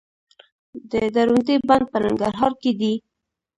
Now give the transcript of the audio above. د درونټې بند په ننګرهار کې دی